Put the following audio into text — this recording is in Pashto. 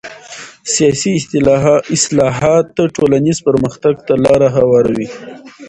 سیاسي اصلاحات ټولنیز پرمختګ ته لاره هواروي